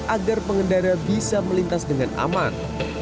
agar pengendara bisa melintas dengan aman